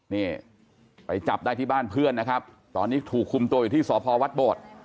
นี่ไปจับได้ที่บ้านเพื่อนนะครับตอนนี้ถูกคุมตัวอยู่ที่สพวัดโบด